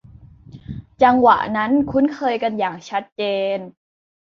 จังหวะนั้นคุ้นเคยกันอย่างชัดเจน